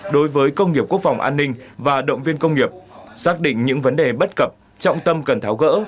đối với công nghiệp quốc phòng an ninh và động viên công nghiệp xác định những vấn đề bất cập trọng tâm cần tháo gỡ